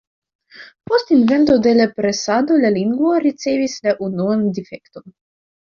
Post invento de la presado la lingvo ricevis la unuan difekton.